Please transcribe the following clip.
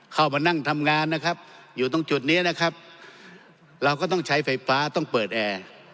เข้ามานั่งทำงานนะครับอยู่ตรงจุดนี้นะครับเราก็ต้องใช้ไฟฟ้าต้องเปิดแอร์